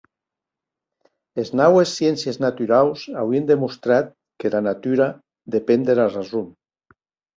Es naues sciéncies naturaus auien demostrat qu'era natura depen dera rason.